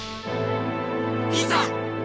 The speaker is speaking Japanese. いざ！